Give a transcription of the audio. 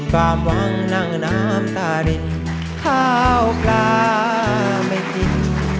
กลับวังนั่งน้ำตารินข้าวปลาไม่จิ้น